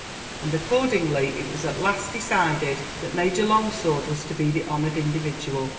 And accordingly it was at last decided that Major Longsword was to be the honoured individual.